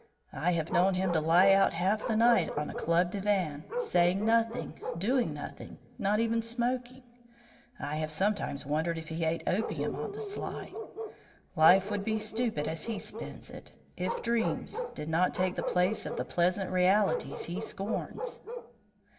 I have known him to lie out half the night on a club divan, saying nothing, doing nothing, not even smoking. I have sometimes wondered if he ate opium on the sly. Life would be stupid as he spends it, if dreams did not take the place of the pleasant realities he scorns."